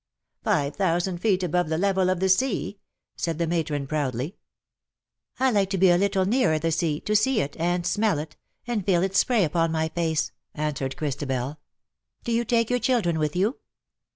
'^" Five thousand feet above the level of the sea/^ said the matron proudly. '' I like to be a little nearer the sea — to see it — and smell it — and feel its spray upon my face/^ answered Christabel. ^' Do you take your children with you?"